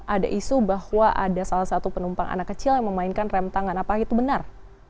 ada isu bahwa ada salah satu penumpang anak kecil yang memainkan rem tangan apakah itu benar